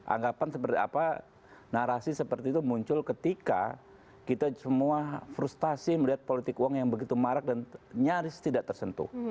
anggapan seperti apa narasi seperti itu muncul ketika kita semua frustasi melihat politik uang yang begitu marak dan nyaris tidak tersentuh